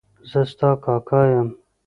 زه ستا کاکا یم.